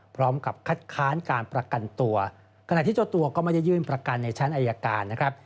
พร้อมกับคัดค้านการประกันตัวขณะที่เจ้าตัวก็ไม่ได้ยื่นประกันในชั้นอายการนะครับ